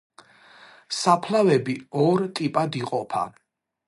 საფლავები ორ ტიპად იყოფა.